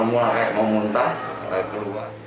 semua kayak mau muntah kayak berubah